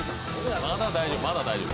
まだ大丈夫